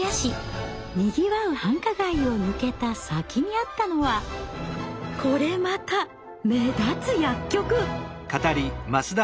にぎわう繁華街を抜けた先にあったのはこれまた目立つ薬局！